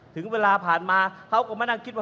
ถึงเวลาผ่านมาเขาก็มานั่งคิดว่า